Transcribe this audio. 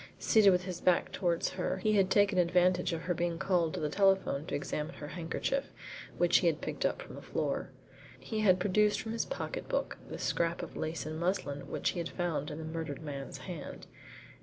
Seated with his back towards her, he had taken advantage of her being called to the telephone to examine her handkerchief, which he had picked up from the floor. He had produced from his pocketbook the scrap of lace and muslin which he had found in the murdered man's hand.